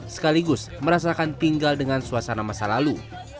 sekaligus merasakan tinggal dengan suasana masa lalu